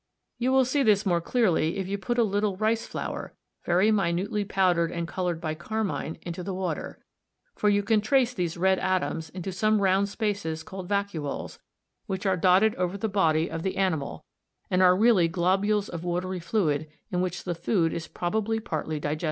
You will see this more clearly if you put a little rice flour, very minutely powdered and coloured by carmine, into the water; for you can trace these red atoms into some round spaces called vacuoles which are dotted over the body of the animal, and are really globules of watery fluid in which the food is probably partly digested.